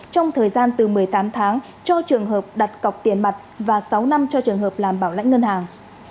trong thời gian từ một mươi tám tháng cho trường hợp đặt cọc tiền mặt và sáu năm cho trường hợp làm bảo lãnh ngân hàng